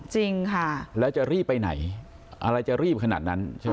จริงค่ะแล้วจะรีบไปไหนอะไรจะรีบขนาดนั้นใช่ไหม